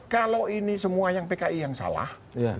kalau ini semua yang pki yang salah